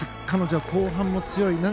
彼女は後半も強い。